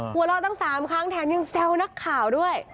หัวเราะตั้ง๓ครั้งแถมยังแซวนักข่าวด้วย